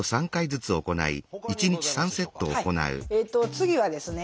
次はですね